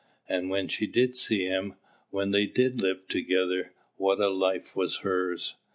And when she did see him, when they did live together, what a life was hers!